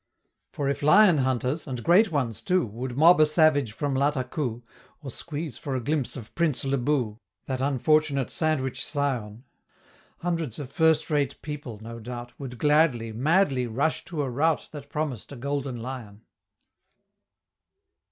For if Lion hunters and great ones too Would mob a savage from Latakoo, Or squeeze for a glimpse of Prince Le Boo, That unfortunate Sandwich scion Hundreds of first rate people, no doubt, Would gladly, madly, rush to a rout That promised a Golden Lion!